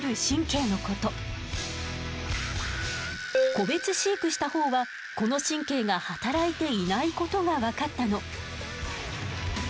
個別飼育したほうはこの神経が働いていないことが分かったの。